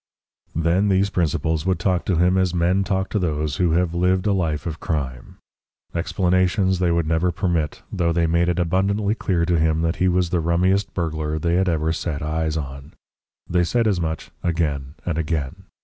Then these principals would talk to him as men talk to those who have lived a life of crime. Explanations they would never permit, though they made it abundantly clear to him that he was the rummiest burglar they had ever set eyes on. They said as much again and again.